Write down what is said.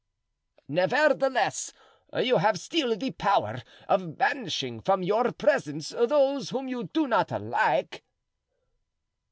"Nevertheless, you have still the power of banishing from your presence those whom you do not like!"